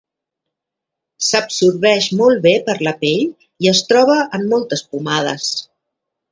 S'absorbeix molt bé per la pell i es troba en moltes pomades.